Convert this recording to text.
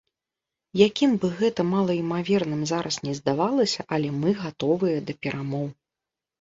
Якім бы гэта малаімаверным зараз не здавалася, але мы гатовыя да перамоў.